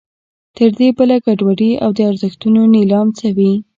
تر دې بله ګډوډي او د ارزښتونو نېلام څه وي.